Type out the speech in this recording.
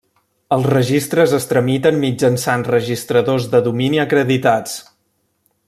Els registres es tramiten mitjançant registradors de domini acreditats.